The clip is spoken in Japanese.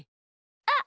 あっ！